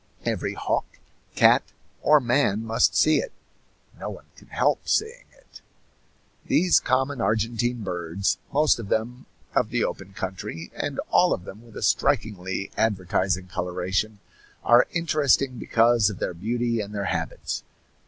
Every hawk, cat, or man must see it; no one can help seeing it. These common Argentine birds, most of them of the open country, and all of them with a strikingly advertising coloration, are interesting because of their beauty and their habits.